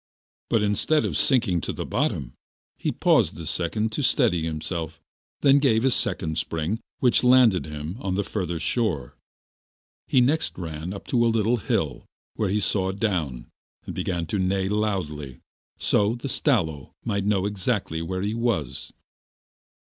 But, instead of sinking to the bottom, he paused a second to steady himself, then gave a second spring which landed him on the further shore. He next ran on to a little hill where he saw down and began to neigh loudly, so that the Stalo might know exactly where he was.